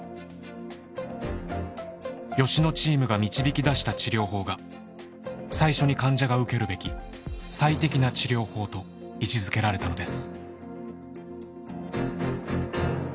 吉野チームが導き出した治療法が最初に患者が受けるべき「最適な治療法」と位置づけられたのです。